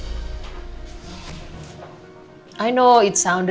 mama beli nanti aku panggil